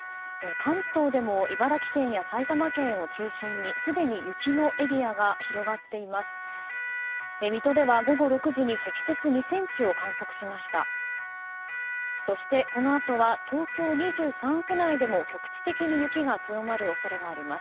関東でも茨城県や埼玉県を中心にすでに雪のエリアが広がっています。